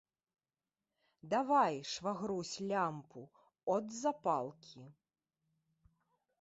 Давай, швагрусь, лямпу, от запалкі.